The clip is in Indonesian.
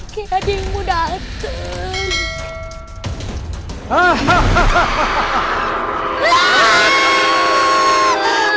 kayak ada yang mau datang